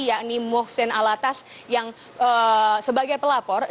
yakni mohsen alatas yang sebagai pelapor